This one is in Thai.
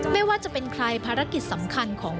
ไม่ว่าจะเป็นใครภารกิจสำคัญของ